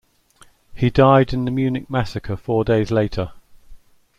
He died in the Munich massacre four days later.